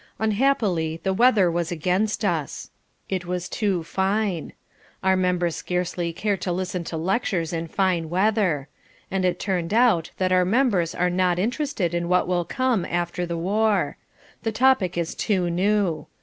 Unhappily the weather was against us. It was too fine. Our members scarcely care to listen to lectures in fine weather. And it turned out that our members are not interested in what will come after the war. The topic is too new.